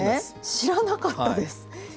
知らなかったです。